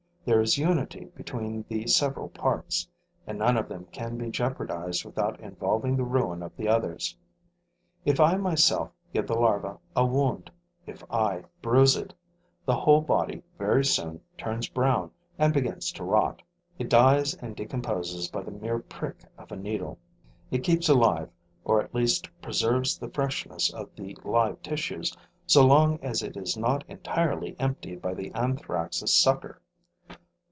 There is unity between the several parts; and none of them can be jeopardized without involving the ruin of the others. If I myself give the larva a wound, if I bruise it, the whole body very soon turns brown and begins to rot. It dies and decomposes by the mere prick of a needle; it keeps alive, or at least preserves the freshness of the live tissues, so long as it is not entirely emptied by the Anthrax' sucker.